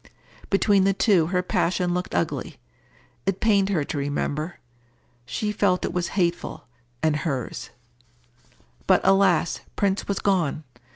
Between the two her passion looked ugly. It pained her to remember. She felt it was hateful, and hers. But, alas, Prince was gone!